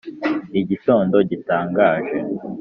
igitondo gitangaje